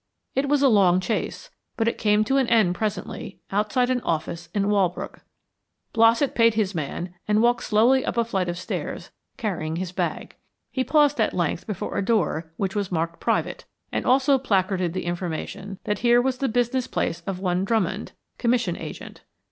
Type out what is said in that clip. It was a long chase, but it came to an end presently outside an office in Walbrook. Blossett paid his man and walked slowly up a flight of steps, carrying his bag. He paused at length before a door which was marked "Private," and also placarded the information that here was the business place of one Drummond, commission agent.